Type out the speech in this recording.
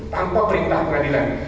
tanpa perintah pengadilan